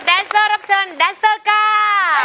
เซอร์รับเชิญแดนเซอร์ก้า